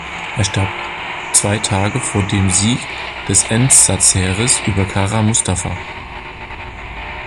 Er starb zwei Tage vor dem Sieg des Entsatzheeres über Kara Mustafa.